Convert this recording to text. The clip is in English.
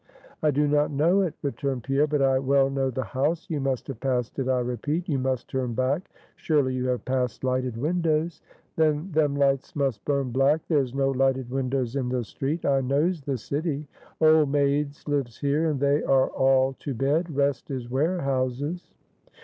"I do not know it," returned Pierre; "but I well know the house; you must have passed it, I repeat. You must turn back. Surely you have passed lighted windows?" "Then them lights must burn black; there's no lighted windows in the street; I knows the city; old maids lives here, and they are all to bed; rest is warehouses."